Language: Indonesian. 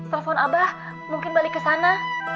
telepon abah mungkin balik kesana